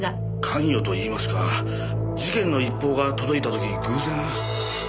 関与といいますか事件の一報が届いた時偶然。